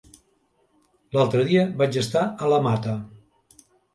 L'altre dia vaig estar a la Mata.